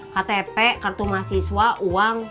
ktp kartu mahasiswa uang